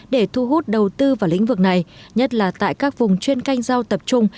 để thu hút đầu tư vào lĩnh vực này nhất là tại các vùng chuyên canh rau tập trung